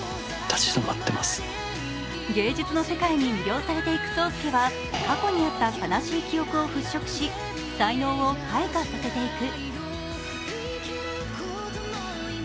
芸術の世界に魅了されていく霜介は過去にあった悲しい記憶を払拭し才能を開花させていく。